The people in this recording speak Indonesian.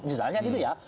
misalnya gitu ya